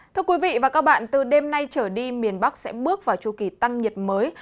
thưa quý vị và các bạn từ đêm nay trở đi miền bắc sẽ bước vào chu kỳ tăng nhiệt mới